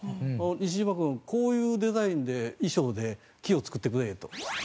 西嶋君こういうデザインで意匠で木をつくってくれと。